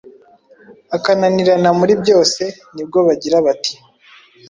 akananirana muri byose; ni bwo bagira, bati: “